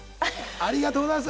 ありがとうございます。